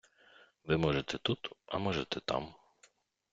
Ви можете тут, а можете там.